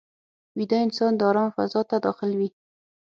ویده انسان د آرام فضا ته داخل وي